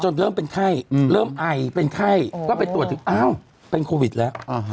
เริ่มเป็นไข้เริ่มไอเป็นไข้ก็ไปตรวจถึงอ้าวเป็นโควิดแล้ว